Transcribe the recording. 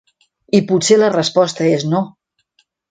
I potser la resposta és no.